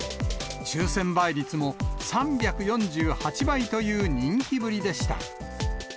抽せん倍率も３４８倍という人気ぶりでした。